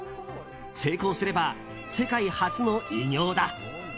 成功すれば世界初の偉業だ。